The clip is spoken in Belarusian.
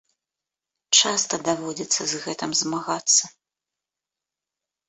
Часта даводзіцца з гэтым змагацца.